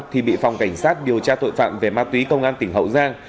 thì bị phòng cảnh sát điều tra tội phạm về ma túy công an tỉnh hậu giang